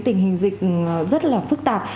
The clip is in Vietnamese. tình hình dịch rất là phức tạp